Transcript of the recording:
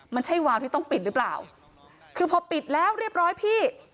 มันใช่วาวที่ต้องปิดหรือเปล่าคือพอปิดแล้วเรียบร้อยพี่